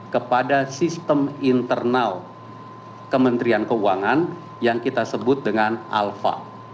kepada sistem internal kementerian keuangan yang kita sebut dengan alfa